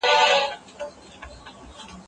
ډيجيټلي وسايل مهارتونه ارزونه آسانه کوي.